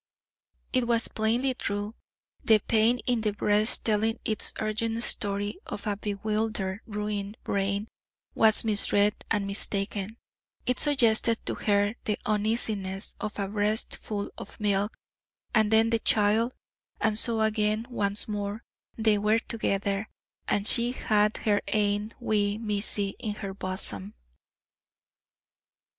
It was plainly true: the pain in the breast telling its urgent story to a bewildered, ruined brain, was misread and mistaken; it suggested to her the uneasiness of a breast full of milk, and then the child; and so again once more they were together, and she had her ain wee Mysie in her bosom.